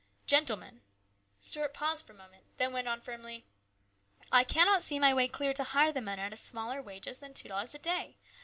Gentlemen," Stuart paused for a moment, then went on firmly, " I cannot see my way clear to hire the men at smaller wages than two dollars a day.